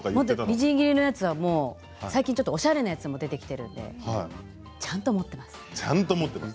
みじん切りのやつは最近おしゃれなやつも出てきてちゃんと持っています。